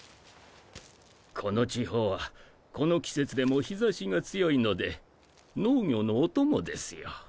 この地方はこの季節でも日差しが強いので農業のお供ですよ。